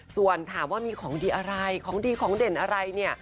ส่วนถามว่ามีของดีอะไรของดีของเด่นอะไรเนี่ย